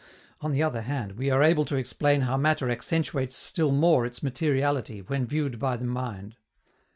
On the other hand, we are able to explain how matter accentuates still more its materiality, when viewed by the mind.